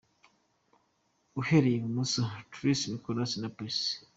Uhereye i bumoso:Tracy, Nicholas na Passy .